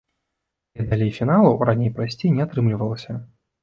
Але далей фіналу раней прайсці не атрымлівалася.